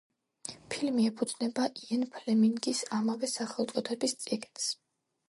ფილმი ეფუძნება იენ ფლემინგის ამავე სახელწოდების წიგნს.